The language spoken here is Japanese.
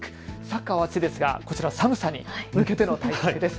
サッカーもあついですがこちらは寒さに向けての対策です。